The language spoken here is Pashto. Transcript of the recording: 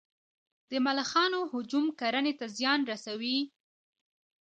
د ملخانو هجوم کرنې ته زیان رسوي؟